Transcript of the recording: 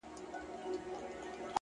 د زړگي هيله چي ستۍ له پېغلتوبه وځي”